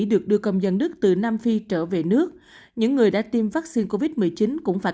được đưa công dân đức từ nam phi trở về nước những người đã tiêm vaccine covid một mươi chín cũng phải